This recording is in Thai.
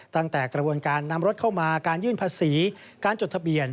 ตั้งแต่กระบวนการนำรถเข้ามาการยื่นภาษีการจดทะเบียน